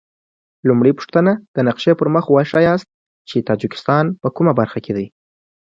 لومړۍ پوښتنه: د نقشې پر مخ وښایاست چې تاجکستان په کومه برخه کې دی؟